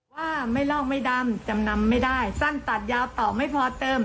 ว่าไม่ลอกไม่ดำจำนำไม่ได้สั้นตัดยาวต่อไม่พอเติม